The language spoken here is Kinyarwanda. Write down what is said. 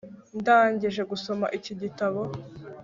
Ndangije gusoma iki gitabo